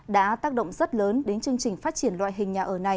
đã tác động rất lớn đến chương trình phát triển loại hình